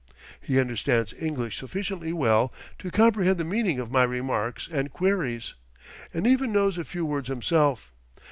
He understands English sufficiently well to comprehend the meaning of my remarks and queries, and even knows a few words himself.